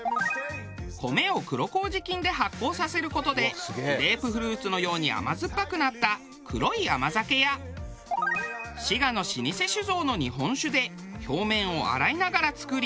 米を黒麹菌で発酵させる事でグレープフルーツのように甘酸っぱくなった黒い甘酒や滋賀の老舗酒造の日本酒で表面を洗いながら作り